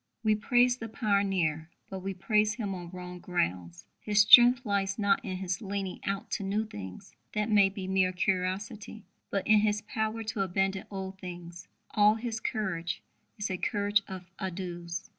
We praise the pioneer, but we praise him on wrong grounds. His strength lies not in his leaning out to new things that may be mere curiosity but in his power to abandon old things. All his courage is a courage of adieus.